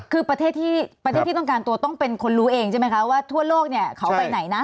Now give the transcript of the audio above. คือประเทศที่ประเทศที่ต้องการตัวต้องเป็นคนรู้เองใช่ไหมคะว่าทั่วโลกเนี่ยเขาไปไหนนะ